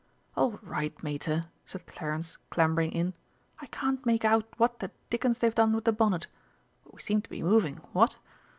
"All right, Mater!" said Clarence, clambering in. "I can't make out what the dickens they've done with the bonnet but we seem to be moving, what?"